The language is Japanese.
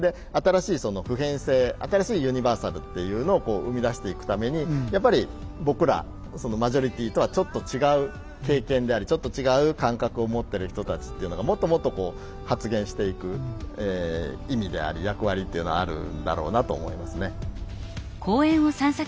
新しい普遍性新しいユニバーサルっていうのを生み出していくためにやっぱり僕らマジョリティーとはちょっと違う経験でありちょっと違う感覚を持ってる人たちっていうのがもっともっとこう発言していく意味であり役割っていうのはあるんだろうなと思いますね。